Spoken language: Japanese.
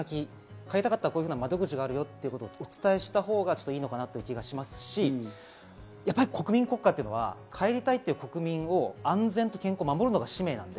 帰りたかったらこういうふうな窓口があるよっていうことをお伝えしたほうがいいのかなっていう気がしますしやっぱり国民国家っていうのは帰りたいって国民の安全と健康を守るのが使命なんで。